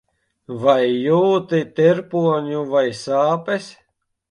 Vai jūti tirpoņu vai sāpes?